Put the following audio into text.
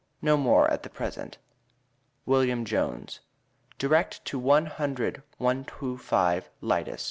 no more at the present. WILLIAM JONES. derect to one hundred 125 lydus.